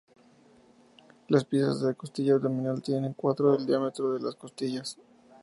Las piezas de la costilla abdominal tienen un cuarto del diámetro de las costillas.